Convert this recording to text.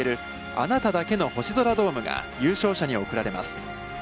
「あなただけの星空ドーム」が優勝者に贈られます。